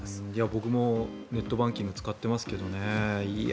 僕もネットバンキング使ってますけどね